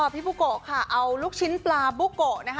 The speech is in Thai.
พี่บุโกะค่ะเอาลูกชิ้นปลาบุโกะนะคะ